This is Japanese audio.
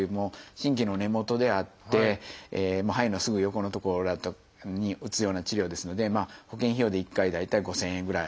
神経の根元であって肺のすぐ横の所に打つような治療ですので保険費用で１回大体５，０００円ぐらい。